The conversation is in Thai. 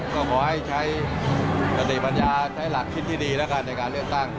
ก็ขอให้ใช้สติปัญญาใช้หลักคิดที่ดีแล้วกันในการเลือกตั้ง